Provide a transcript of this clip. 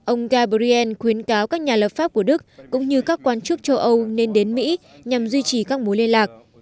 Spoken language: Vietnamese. ông gabriel khuyến cáo các nhà lập pháp của đức cũng như các quan chức châu âu nên đến mỹ nhằm duy trì các mối liên lạc